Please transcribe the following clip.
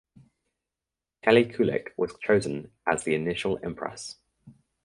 Kelly Kulick was chosen as the initial Empress.